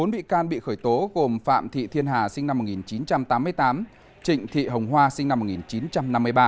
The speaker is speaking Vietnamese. bốn bị can bị khởi tố gồm phạm thị thiên hà sinh năm một nghìn chín trăm tám mươi tám trịnh thị hồng hoa sinh năm một nghìn chín trăm năm mươi ba